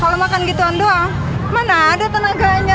kalau makan gituan doang mana ada tenaganya